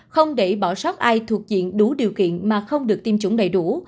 không để bỏ sót ai thuộc diện đủ điều kiện mà không được tiêm chủng đầy đủ